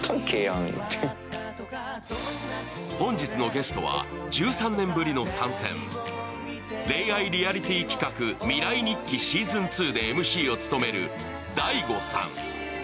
本日のゲストは、１３年ぶりの参戦恋愛リアリティ企画「未来日記」シーズン２でＭＣを務めるＤＡＩＧＯさん。